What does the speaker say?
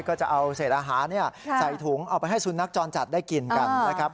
ก็จะเอาเศษอาหารใส่ถุงเอาไปให้สุนัขจรจัดได้กินกันนะครับ